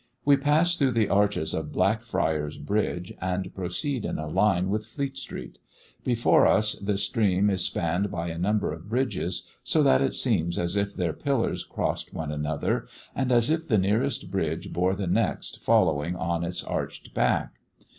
We pass through the arches of Blackfriars bridge and proceed in a line with Fleet street; before us the stream is spanned by a number of bridges, so that it seems as if their pillars crossed one another, and as if the nearest bridge bore the next following on its arched back.